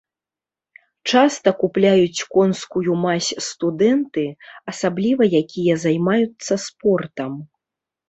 Часта купляюць конскую мазь студэнты, асабліва якія займаюцца спортам.